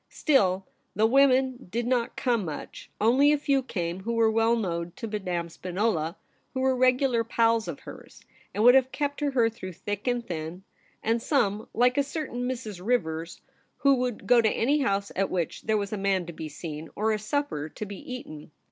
Still, the women did not come much ; only a few came who were well known to Madame Spinola, who were regular ' pals ' of hers, and would have kept to her through thick and thin ; and some, like a certain Mrs. Rivers, who would go to any house at which there was a man to be seen or a supper to be eaten.